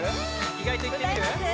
意外といってみる？